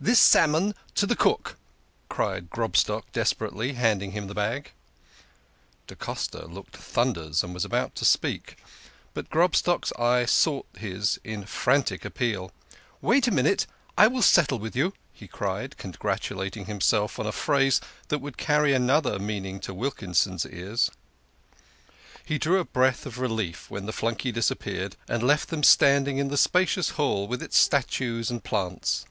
" This salmon to the cook !" cried Grobstock desperately, handing him the bag. Da Costa looked thunders, and was about to speak, but Grobstock's eye sought his in frantic appeal. "Wait a minute ; I will settle with you," he cried, congratulating himself on a phrase that would carry another meaning to Wilkinson's ears. He drew a breath of relief when the flunkey disappeared, and left them standing in the spacious hall with its statues and plants.